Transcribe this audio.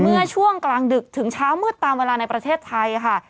เมื่อช่วงกลางดึกถึงเช้ามืดตามเวลาในประเทศไทยค่ะ